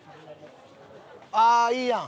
ああーいいやん！